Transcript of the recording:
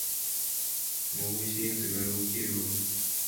Moboisyen sukaruk Cherono.